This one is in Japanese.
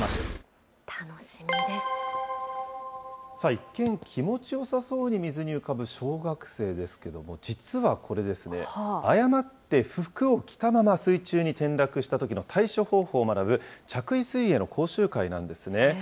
一見気持ちよさそうに水に浮かぶ小学生ですけども、実はこれですね、誤って服を着たまま水中に転落したときの対処方法を学ぶ着衣水泳の講習会なんですね。